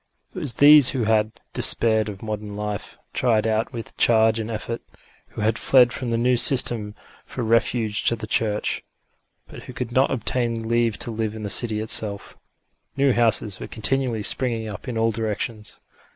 It was these who had despaired of modern life, tired out with change and effort, who had fled from the new system for refuge to the Church, but who could not obtain leave to live in the city itself. New houses were continually springing up in all directions.